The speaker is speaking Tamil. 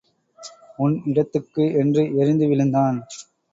உன் இடத்துக்கு என்று எரிந்து விழுந்தான்.